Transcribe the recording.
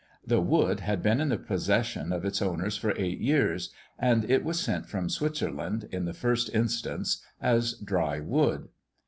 The wood had been in the possession of its owners for eight years; and it was sent from Switzerland, in the first instance, as dry wood.